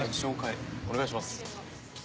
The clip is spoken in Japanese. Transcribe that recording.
お願いします。